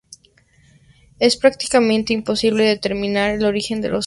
Es prácticamente imposible determinar el origen de los juguetes.